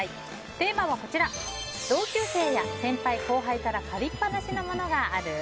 テーマは同級生や先輩・後輩から借りっぱなしのものがある？